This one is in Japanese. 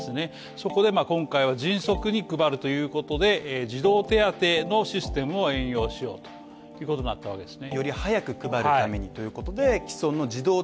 そこで今回は迅速に配るということで児童手当のシステムを援用しようということになったわけですね